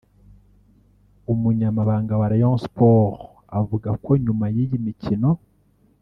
umunyamabanga wa Rayon Sports avuga ko nyuma y'iyi mikino